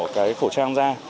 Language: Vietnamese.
cái khẩu trang ra